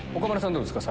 どうですか？